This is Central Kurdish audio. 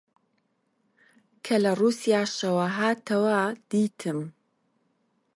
کە لە ڕووسیاشەوە هاتەوە، دیتم